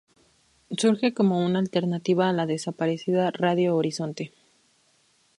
Surge como una alternativa a la desaparecida Radio Horizonte.